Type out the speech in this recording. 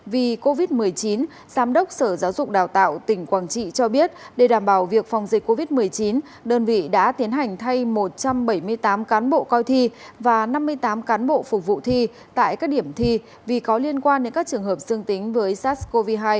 vì covid một mươi chín giám đốc sở giáo dục đào tạo tỉnh quảng trị cho biết để đảm bảo việc phòng dịch covid một mươi chín đơn vị đã tiến hành thay một trăm bảy mươi tám cán bộ coi thi và năm mươi tám cán bộ phục vụ thi tại các điểm thi vì có liên quan đến các trường hợp dương tính với sars cov hai